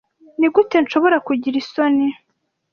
nigute nshobora kugira isoni